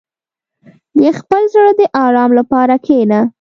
• د خپل زړه د آرام لپاره کښېنه.